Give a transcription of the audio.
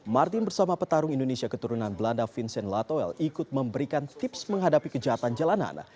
martin bersama petarung indonesia keturunan belanda vincent latoel ikut memberikan tips menghadapi kejahatan jalanan